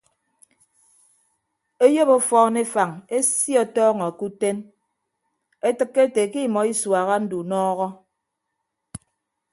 Eyop ọfọọn efañ esie ọtọọñọ ke uten etịkke ete ke emọ isuaha ndunọọhọ.